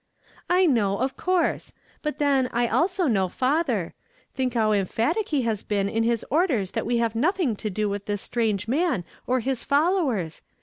"I know, of coui se; but then, I also know father. Think how emphatic he has been in his orders that we have nothing to do with this strano'o man or his followei s.